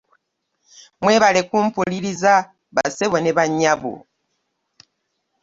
Mwebale kumpuliriza bassebo ne bannyabo